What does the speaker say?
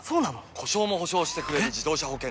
故障も補償してくれる自動車保険といえば？